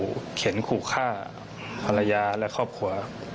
เข็นขู่ฆ่าภรรยาและครอบครัว